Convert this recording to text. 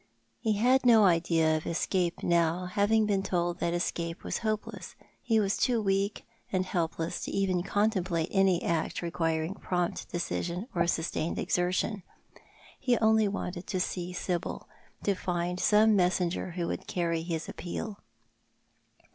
He had no idea of escape now, having been told that escape was hopeless— he was too weak and helpless even to contemplate any act requiring prompt decision or sustained exertion. He only wanted to see Sibyl — to find some messenger who would carry his appeal.